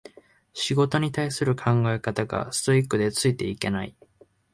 仕事に対する考え方がストイックでついていけない